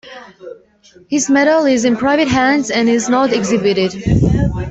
His medal is in private hands and is not exhibited.